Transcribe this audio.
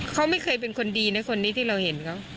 เขาไม่เคยเป็นคนดีนะคนนี้ที่เราเห็นเขา